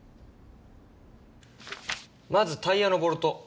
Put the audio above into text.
まずタイヤのボルト。